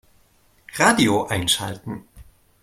Radio einschalten.